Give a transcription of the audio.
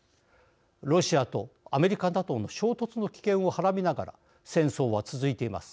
ロシアとアメリカ・ＮＡＴＯの衝突の危険をはらみながら戦争は続いています。